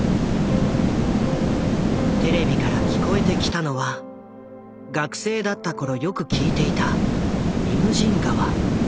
テレビから聞こえてきたのは学生だったころよく聴いていた「イムジン河」。